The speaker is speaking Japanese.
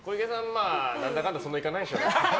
何だかんだそんないかないでしょ。